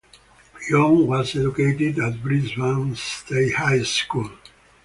John was educated at Brisbane State High School.